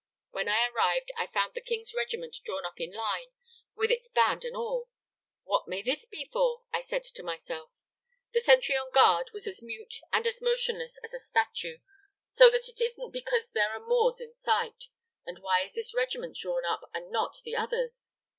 When I arrived I found the King's regiment drawn up in line, with its band and all! 'What may this be for?' I said to myself. The sentry on guard was as mute and as motionless as a statue, so that it isn't because there are Moors in sight. And why is this regiment drawn up and not the others?